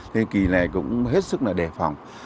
thế kỳ này cũng hết sức là đề phòng